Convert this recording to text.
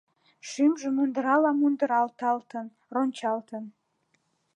Шӱмжӧ мундырала мундырталтын, рончалтын.